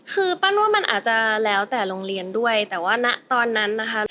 คือปั้นว่ามันอาจจะแล้วแต่โรงเรียนด้วยแต่ว่าณตอนนั้นนะคะ